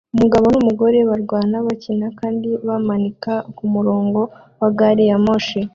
Umugabo numugore barwana bakina kandi bamanika kumurongo wa gari ya moshi